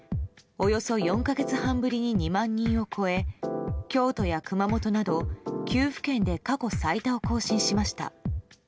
およそ４か月半ぶりに２万人を超え京都や熊本など、９府県で過去最多を更新しました。